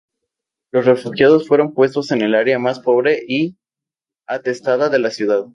Los refugiados fueron puestos en el área más pobre y atestada de la ciudad.